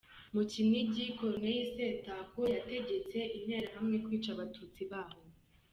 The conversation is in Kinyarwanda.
Mu Kinigi, Koloneli Setako Ephrem yategetse Interahamwe kwica Abatutsi baho.